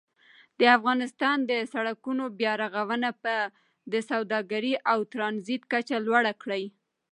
د افغانستان د سړکونو بیا رغونه به د سوداګرۍ او ترانزیت کچه لوړه کړي.